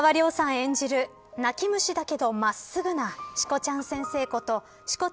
演じる泣き虫だけど、真っすぐなしこちゃん先生こと志子田